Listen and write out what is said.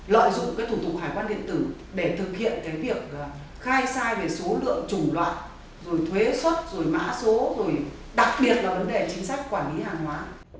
rồi thuế xuất rồi mã số rồi đặc biệt là vấn đề chính sách quản lý hàng hóa